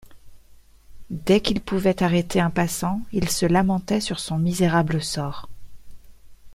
Dès qu’il pouvait arrêter un passant, il se lamentait sur son misérable sort.